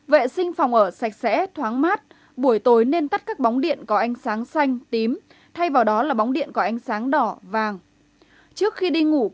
vệ sinh phòng ở sạch sẽ thoáng mát buổi tối nên tắt các bóng điện có ánh sáng xanh tím thay vào đó là bóng điện có ánh sáng đỏ vàng